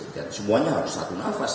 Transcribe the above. dan semuanya harus satu nafas